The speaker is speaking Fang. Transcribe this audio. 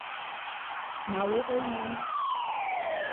Ma wogh olune.